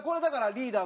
リーダー。